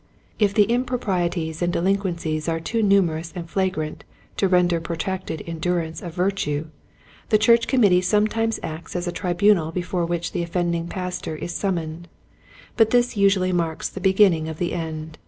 If the improprieties and delinquencies are too numerous and flagrant to render protracted endurance a virtue the church committee sometimes acts as a tribunal before which the offending Pastor is sum moned, but this usually marks the begin ning of the end.